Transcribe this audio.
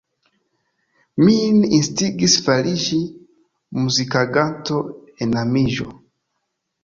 Min instigis fariĝi muzikiganto enamiĝo.